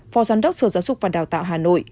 phó giám đốc sở giáo dục và đào tạo hà nội